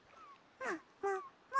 ももも。